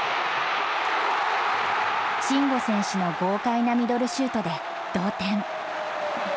慎吾選手の豪快なミドルシュートで同点。